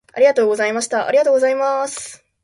ありがとうございました。ありがとうございます。